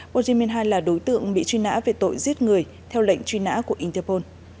burj minhaj là đối tượng bị truy nã về tội giết người theo lệnh truy nã của interpol